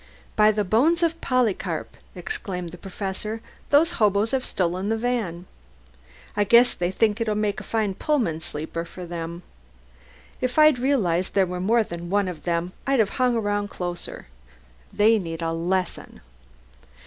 "By the bones of Polycarp!" exclaimed the Professor, "those hoboes have stolen the van. I guess they think it'll make a fine Pullman sleeper for them. If I'd realized there was more than one of them I'd have hung around closer. They need a lesson."